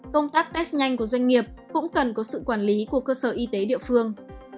công tác test nhanh của doanh nghiệp cũng cần có sự quản lý của cơ sở y tế địa phương